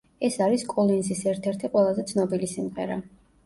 ეს არის კოლინზის ერთ-ერთი ყველაზე ცნობილი სიმღერა.